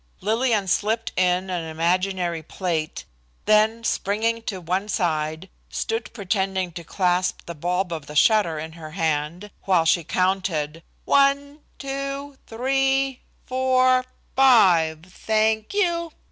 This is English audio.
Lillian slipped in an imaginary plate, then springing to one side stood pretending to clasp the bulb of the shutter in her hand, while she counted: "One, two, three, four, five thank you!"